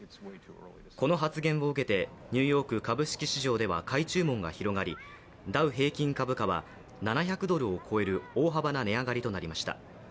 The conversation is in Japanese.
この発言を受けて、ニューヨーク株式市場では買い注文が広がりダウ平均株価は７００ドルを超える大幅な値上がりとなりました。